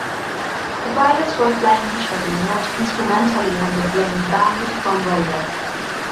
The pilots were flying visually not instrumentally when the plane vanished from radar.